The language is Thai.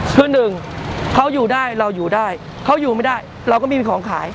คือหนึ่งเขาอยู่ได้เราอยู่ได้เขาอยู่ไม่ได้เราก็ไม่มีของขาย